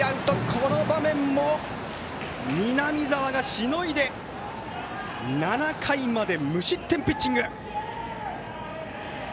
この場面も南澤がしのいで７回まで無失点ピッチング。